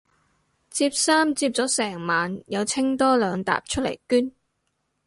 摺衫摺咗成晚又清多兩疊出嚟捐